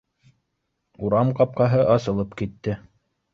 Урам ҡапҡаһы асылып китте